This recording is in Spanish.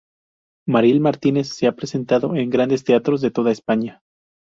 Mariel Martínez se ha presentado en grandes teatros de todo España.